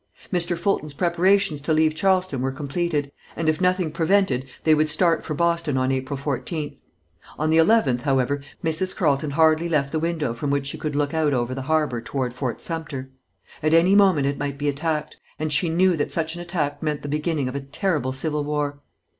Mr. Fulton's preparations to leave Charleston were completed, and if nothing prevented they would start for Boston on April 14th. On the eleventh, however, Mrs. Carleton hardly left the window from which she could look out over the harbor toward Fort Sumter. At any moment it might be attacked, and she knew that such an attack meant the beginning of a terrible civil war.